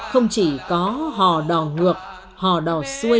không chỉ có hò đò ngược hò đò xuôi